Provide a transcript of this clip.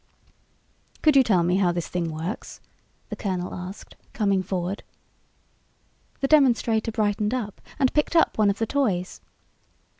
"Could you tell me how this thing works?" the colonel asked, coming forward. The demonstrator brightened up and picked up one of the toys.